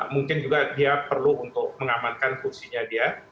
mungkin juga dia perlu untuk mengamankan fungsinya dia